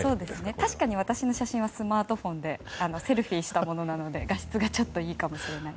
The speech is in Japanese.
確かに私の写真はスマートフォンでセルフィーしたものなので画質がちょっといいかもしれません。